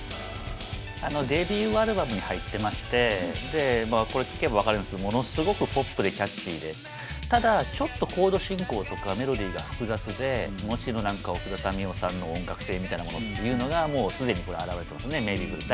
デビューアルバムに入ってましてこれ聴けば分かるんですけどものすごくポップでキャッチーでただちょっとコード進行とかメロディーが複雑でむしろ何か奥田民生さんの音楽性みたいなものっていうのがもうすでにこれ表れてますね「ＭａｙｂｅＢｌｕｅ」